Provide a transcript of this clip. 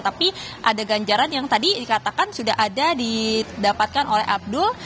tapi ada ganjaran yang tadi dikatakan sudah ada didapatkan oleh abdul